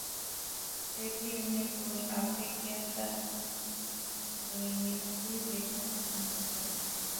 فیر وی انیں کول آپے کیا تہ دویاں کی ویلا ہونا سا